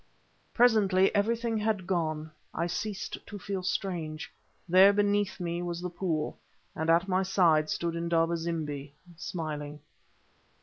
Presently everything had gone. I ceased to feel strange. There beneath me was the pool, and at my side stood Indaba zimbi, smiling.